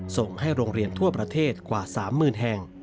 ส่งให้โรงเรียนทั่วประเทศกว่า๓๐๐๐แห่ง